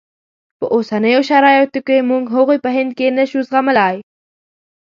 او په اوسنیو شرایطو کې موږ هغوی په هند کې نه شو زغملای.